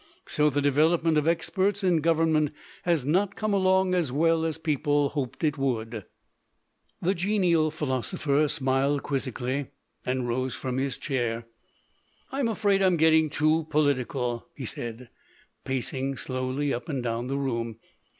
So the development of experts in government has not come along as well as people hoped it would." 122 THE PASSING OF THE SNOB The genial philosopher smiled quizzically and rose from his chair. "I'm afraid I'm getting too political/' he said, pacing slowly up and down the room.